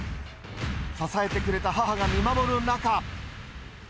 支えてくれた母が見守る中。